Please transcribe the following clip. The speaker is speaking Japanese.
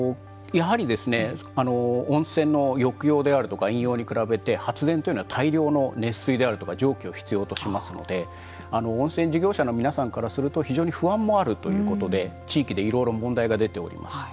やはり温泉の浴用であるとか飲用に比べて発電というのは大量の熱水であるとか蒸気を必要としますので温泉事業者の皆さんからすると非常に不安もあるということで地域でいろいろ問題が出ております。